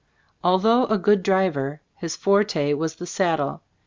Although a good driver, his forte was the saddle.